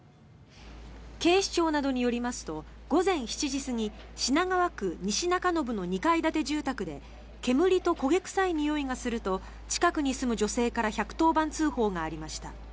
警視庁などによりますと午前７時過ぎ品川区西中延の２階建て住宅で煙と焦げ臭いにおいがすると近くに住む女性から１１０番通報がありました。